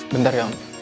bentar ya om